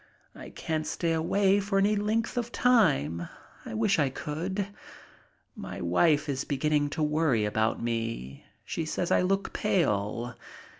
I can't stay away for any length of time. I wish I could. My wife is beginning to worry about me. She says I look pale.